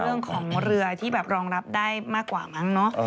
อาจจะเป็นเรื่องของเรือที่รองรับได้มากกว่ามั้งเนอะ